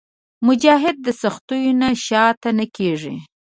مجاهد د سختیو نه شاته نه کېږي.